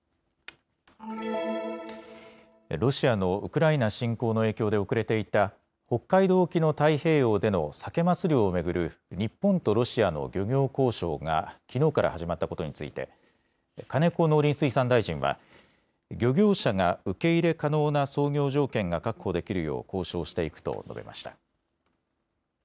ロシアのウクライナ侵攻の影響で遅れていた北海道沖の太平洋でのサケマス漁を巡る日本とロシアの漁業交渉がきのうから始まったことについて金子農林水産大臣は漁業者が受け入れ可能な操業条件が確保できるよう交渉していくと述べました。